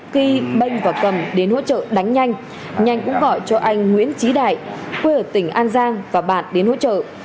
khi minh và cầm đến hỗ trợ đánh nhanh nhanh cũng gọi cho anh nguyễn trí đại quê ở tỉnh an giang và bạn đến hỗ trợ